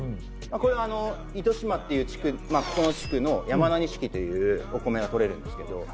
これ糸島っていうこの地区の山田錦っていうお米が取れるんですけど。